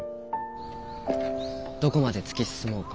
どこまで突き進もうか？